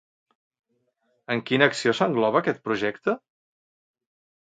En quina acció s'engloba aquest projecte?